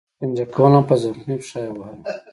هغوی زه شکنجه کولم او په زخمي پښه یې وهلم